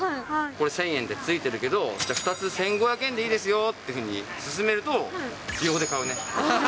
これ、１０００円ってついてるけど、じゃあ、２つ１５００円でいいですよって勧めると、秒で買うね。